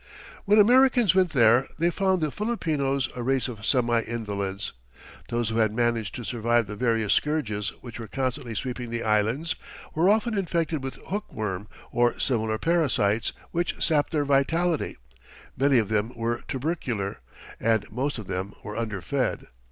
When Americans went there they found the Filipinos a race of semi invalids. Those who had managed to survive the various scourges which were constantly sweeping the Islands were often infected with hookworm or similar parasites which sapped their vitality. Many of them were tubercular, and most of them were under fed.